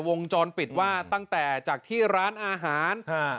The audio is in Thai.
วงจรปิดว่าตั้งแต่จากที่ร้านอาหาร